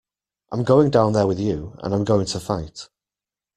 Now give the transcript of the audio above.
I'm going down there with you, and I'm going to fight.